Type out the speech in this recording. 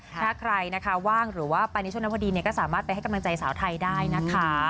ถ้าใครนะคะว่างหรือว่าไปในช่วงนั้นพอดีก็สามารถไปให้กำลังใจสาวไทยได้นะคะ